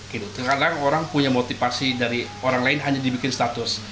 kadang kadang orang punya motivasi dari orang lain hanya dibikin status